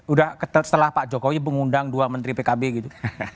udah setelah pak jokowi mengundang dua menteri pkb gitu